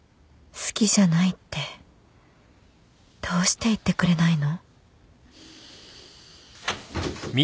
好きじゃないってどうして言ってくれないの？